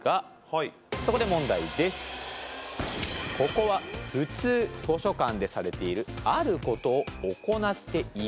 ここは普通図書館でされているあることを行っていません。